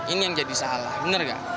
ini yang jadi salah benar nggak